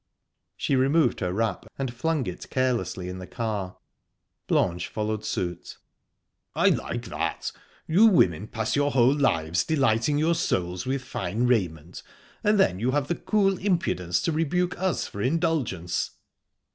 She removed her wrap and flung it carelessly in the car; Blanche followed suit. "I like that. You women pass your whole lives delighting your souls with fine raiment, and then you have the cool impudence to rebuke us for indulgence."